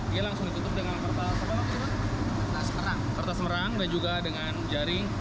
dia langsung ditutup dengan kertas merang dan juga dengan jaring